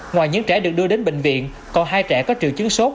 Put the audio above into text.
ngoài những trẻ được đưa đến bệnh viện còn hai trẻ có triệu chứng sốt